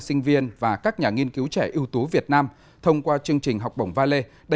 sinh viên và các nhà nghiên cứu trẻ ưu tú việt nam thông qua chương trình học bổng valet